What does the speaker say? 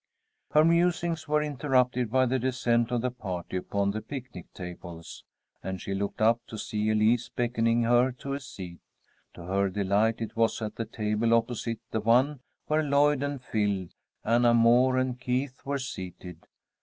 Her musings were interrupted by the descent of the party upon the picnic tables, and she looked up to see Elise beckoning her to a seat. To her delight it was at the table opposite the one where Lloyd and Phil, Anna Moore and Keith were seated.